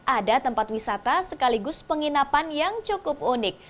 ada tempat wisata sekaligus penginapan yang cukup unik